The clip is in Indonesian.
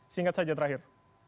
singkat saja terakhir